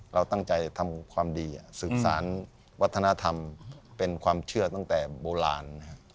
เราตั้งใจทำความดีสืบสารวัฒนธรรมเป็นความเชื่อตั้งแต่โบราณ